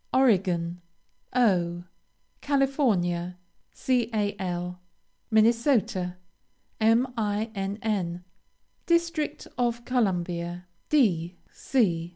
Oregon, O. California, Cal. Minnesota, Minn. District of Columbia, D. C.